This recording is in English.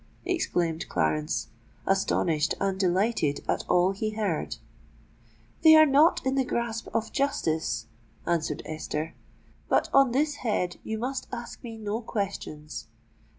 exclaimed Clarence, astonished and delighted at all he heard. "They are not in the grasp of justice," answered Esther. "But on this head you must ask me no questions.